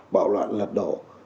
bạo loạn lật đổ